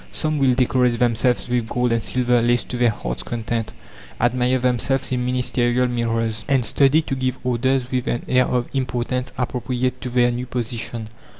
Some will decorate themselves with gold and silver lace to their hearts' content, admire themselves in ministerial mirrors, and study to give orders with an air of importance appropriate to their new position.